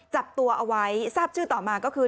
จับตัวเอาไว้ทราบชื่อต่อมาก็คือ